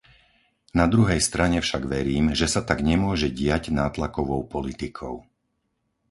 Na druhej strane však verím, že sa tak nemôže diať nátlakovou politikou.